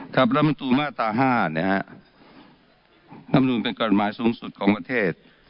ครับรับบันทุมาตรห้าเนี่ยฮะรับบันทุเป็นกฎหมายสูงสุดของประเทศ